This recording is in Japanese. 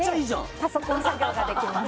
パソコン作業ができます